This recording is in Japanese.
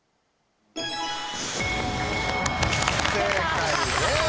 正解です。